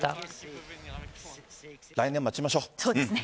来年、待ちましょう。